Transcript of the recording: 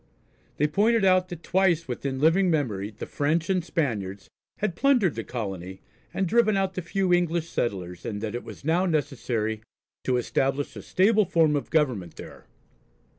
They pointed out that twice within living memory the French and Spaniards had plundered the colony, and driven out the few English settlers, and that it was now necessary to establish a stable form of government there.